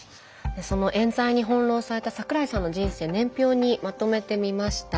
そのえん罪に翻弄された桜井さんの人生年表にまとめてみました。